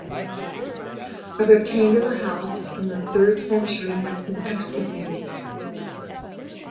A rectangular house from the third century has been excavated.